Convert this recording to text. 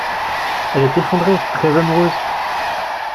elle est effondrée, très amoureuse